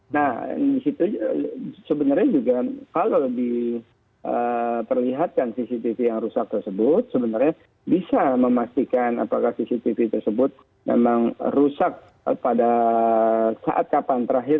nah di situ sebenarnya juga kalau diperlihatkan cctv yang rusak tersebut sebenarnya bisa memastikan apakah cctv tersebut memang rusak pada saat kapan terakhir